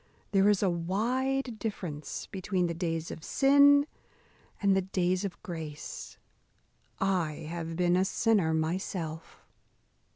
There is a wide difference between the days of sin and the days of grace. I have been a sinner myself."